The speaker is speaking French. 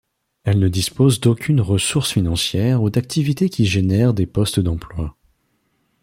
Elle ne dispose d'aucune ressource financière ou d'activités qui génèrent des postes d'emploi.